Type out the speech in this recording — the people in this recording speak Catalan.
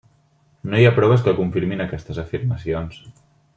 No hi ha proves que confirmin aquestes afirmacions.